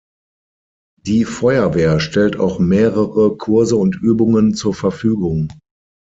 Die Feuerwehr stellt auch mehrere Kurse und Übungen zur Verfügung.